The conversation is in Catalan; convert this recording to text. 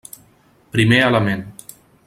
Primer element.